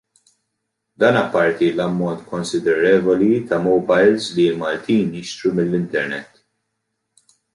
Dan apparti l-ammont konsidervoli ta' mowbajls li l-Maltin jixtru mill-internet.